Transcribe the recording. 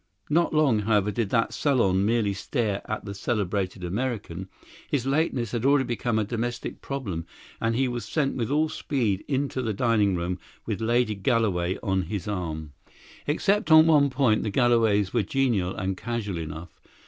Not long, however, did that salon merely stare at the celebrated American; his lateness had already become a domestic problem, and he was sent with all speed into the dining room with Lady Galloway on his arm. Except on one point the Galloways were genial and casual enough.